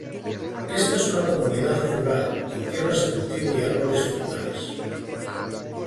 Esta es una comunidad rural con tierras de cultivo y árboles frutales.